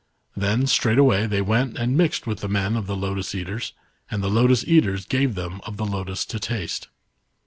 Then straightway they went and mixed with the men of the lotus eaters, and the lotus eaters gave them of the lotus to taste.